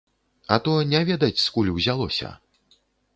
А то не ведаць, скуль узялося?